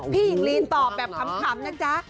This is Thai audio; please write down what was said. หญิงลีนตอบแบบขำนะจ๊ะ